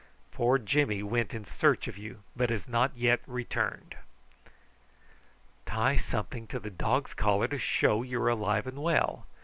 Poor Jimmy went in search of you, but has not returned_." "Tie something to the dog's collar to show you are alive and well!"